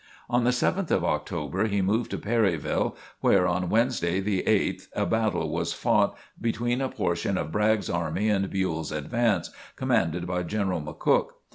On the 7th of October he moved to Perryville, where on Wednesday, the 8th, a battle was fought between a portion of Bragg's army and Buell's advance, commanded by General McCook.